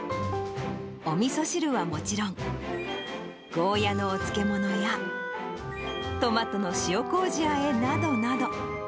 おみそ汁はもちろん、ゴーヤのお漬物や、トマトの塩こうじあえなどなど。